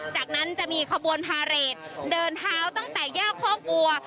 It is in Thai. จากนั้นจะมีขบวนพาเรทเดินเท้าตั้งแต่แยกคอกบัว